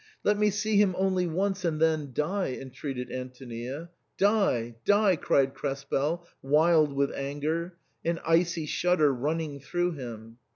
" Let me see him only once, and then die !" entreated Antonia. " Die ! die !" cried Krespel, wild with anger, an icy shudder running through him.